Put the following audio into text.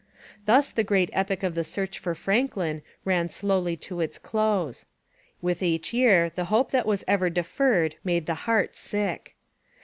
Thus the great epic of the search for Franklin ran slowly to its close. With each year the hope that was ever deferred made the heart sick.